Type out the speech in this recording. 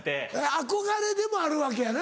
憧れでもあるわけやな。